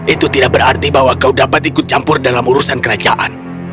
itu tidak berarti bahwa kau dapat ikut campur dalam urusan kerajaan